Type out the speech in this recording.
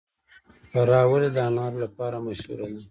فراه ولې د انارو لپاره مشهوره ده؟